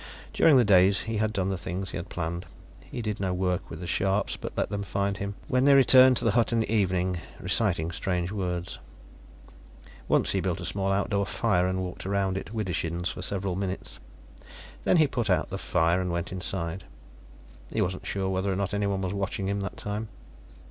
During the days he had done the things he had planned; he did no work with the Scharpes, but let them find him, when they returned to the hut of an evening, reciting strange words. Once he built a small outdoor fire and walked around it, widdershins, for several minutes. Then he put the fire out and went inside. He wasn't sure whether or not anyone was watching him, that time.